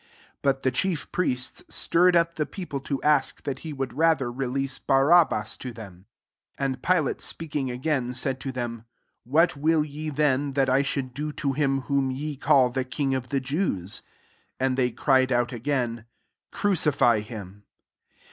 11 But the chief priests stirred up the people to aair, that he would ra ther release Barabbas to them. 12 And Pilate speaking again> said to them, " What wifl ye then th^t I should do to htm whom ye call the king of the Jews ?'' 13 And they cried out again, " Crucify him.